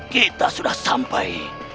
kita sudah sampai